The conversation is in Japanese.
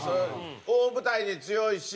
大舞台で強いし。